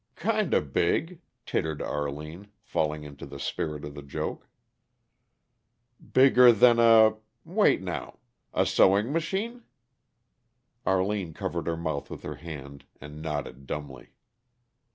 "Kinda big," tittered Arline, falling into the spirit of the joke. "Bigger than a wait, now. A sewing machine?" Arline covered her mouth with her hand and nodded dumbly.